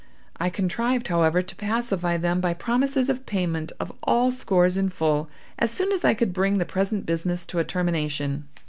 I contrived, however, to pacify them by promises of payment of all scores in full, as soon as I could bring the present business to a termination.